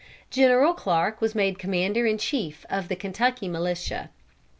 General Clarke was made commander in chief of the Kentucky militia.